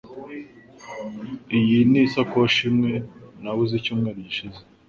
Iyi ni isakoshi imwe nabuze icyumweru gishize.